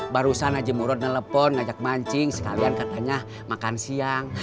barusan najimuro telepon ngajak mancing sekalian katanya makan siang